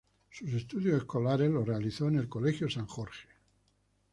Sus estudios escolares los realizó en el Saint George's College.